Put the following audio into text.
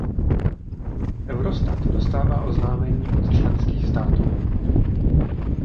Eurostat dostává oznámení od členských států.